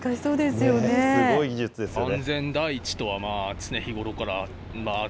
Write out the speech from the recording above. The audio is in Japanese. すごい技術ですよね。